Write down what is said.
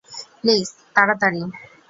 Please, তাড়াতাড়ি!